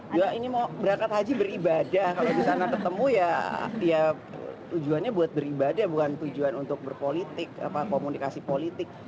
dua ini mau berangkat haji beribadah kalau di sana ketemu ya tujuannya buat beribadah bukan tujuan untuk berpolitik komunikasi politik